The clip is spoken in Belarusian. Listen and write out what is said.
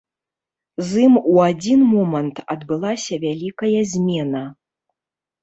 З ім у адзін момант адбылася вялікая змена.